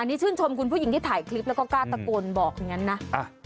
อันนี้ชื่นชมคุณผู้หญิงที่ถ่ายคลิปแล้วก็กล้าตะโกนบอกอย่างนั้นนะ